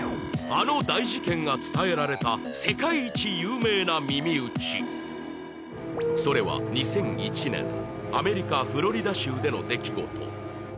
あの大事件が伝えられたそれは２００１年アメリカフロリダ州での出来事